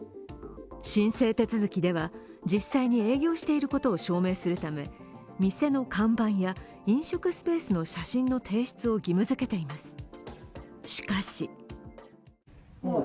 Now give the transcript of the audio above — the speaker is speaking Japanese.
申請手続きでは実際に営業していることを証明するため店の看板や飲食スペースの写真の提出を義務づけています。